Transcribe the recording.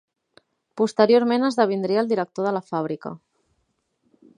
Posteriorment esdevindria el director de la fàbrica.